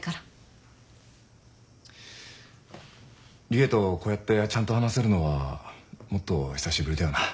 理恵とこうやってちゃんと話せるのはもっと久しぶりだよな。